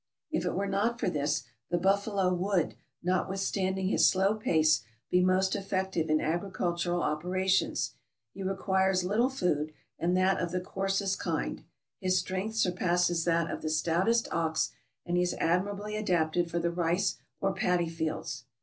If it were not for this, the buffalo would, notwith standing his slow pace, be most effective in agricultural operations ; he requires little food, and that of the coarsest kind ; his strength surpasses that of the stoutest ox, and he is admirably adapted for the rice or paddy fields.